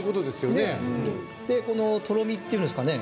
このとろみっていうんですかね